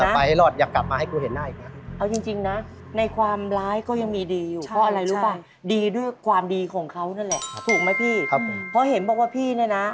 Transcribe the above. พออะไรรู้หรือเปล่าดีด้วยความดีของเขานั่นแหละถูกไหมพี่พอเห็นบอกว่าพี่เนี่ยนะ